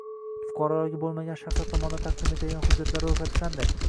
fuqaroligi bo‘lmagan shaxslar tomonidan taqdim etiladigan hujjatlar ro‘yxati qanday?